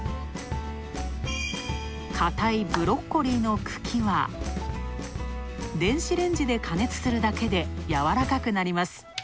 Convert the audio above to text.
硬いブロッコリーの茎は、電子レンジで加熱するだけでやわらかくなります。